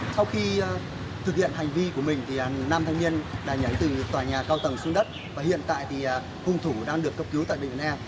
sau khi thực hiện hành vi của mình nam thanh niên đã nhảy từ tòa nhà cao tầng xuống đất và hiện tại thì hung thủ đang được cấp cứu tại bệnh viện em